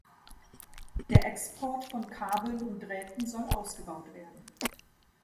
Der Export von Kabeln und Drähten soll ausgebaut werden.